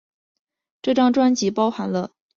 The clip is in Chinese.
这张专辑包含了许多音乐流派的歌曲。